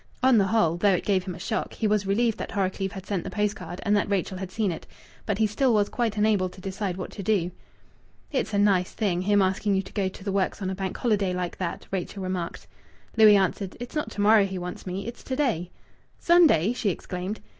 On the whole, though it gave him a shock, he was relieved that Horrocleave had sent the post card and that Rachel had seen it. But he still was quite unable to decide what to do. "It's a nice thing, him asking you to go to the works on a Bank Holiday like that!" Rachel remarked. Louis answered: "It's not to morrow he wants me. It's to day." "Sunday!" she exclaimed.